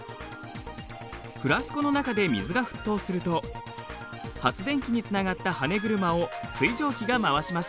フラスコの中で水が沸騰すると発電機につながったはね車を水蒸気が回します。